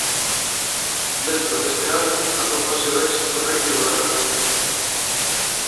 Dentro deste álbum atópase o éxito "Radio Ga Ga".